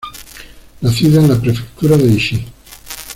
Nacida en la Prefectura de Aichi.